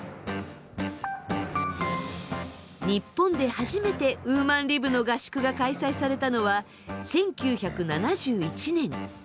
日本で初めてウーマンリブの合宿が開催されたのは１９７１年。